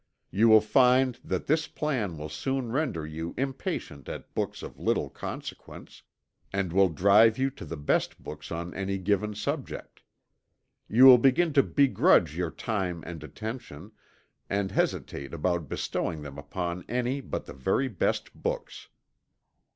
You will find that this plan will soon render you impatient at books of little consequence, and will drive you to the best books on any given subject. You will begin to begrudge your time and attention, and hesitate about bestowing them upon any but the very best books.